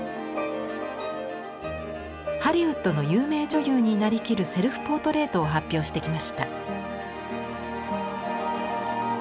ハリウッドの有名女優になりきるセルフポートレイトを発表してきました。